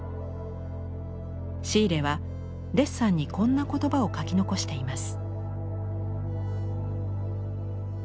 シーレはデッサンにこんな言葉を書き残しています。